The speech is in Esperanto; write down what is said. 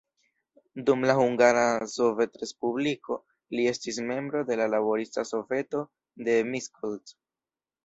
Dum la Hungara Sovetrespubliko, li estis membro de la laborista soveto de Miskolc.